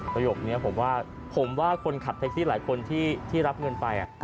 ประโยคนี้ผมว่าผมว่าคนขับแท็กซี่หลายคนที่รับเงินไป